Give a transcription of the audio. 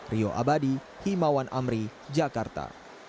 rio abadi himawan amri jakarta